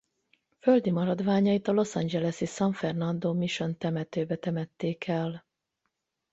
Földi maradványait a Los Angeles-i San Fernando Mission Temetőbe temették el.